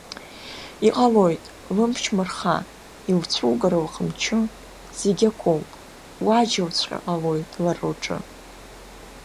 Иҟалоит, лымч мырха, илцәугар лҟамчы, зегьакоуп, уаџьалцәгьа ҟалоит лара лҿы.